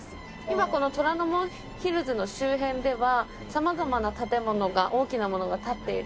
今この虎ノ門ヒルズの周辺では様々な建物が大きなものが建っているんですね。